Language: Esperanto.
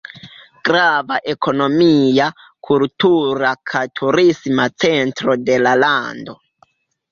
Grava ekonomia, kultura kaj turisma centro de la lando.